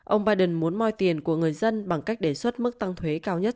ông biden muốn moi tiền của người dân bằng cách đề xuất mức tăng thuế cao nhất